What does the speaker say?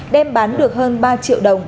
đem bán được hơn ba triệu đồng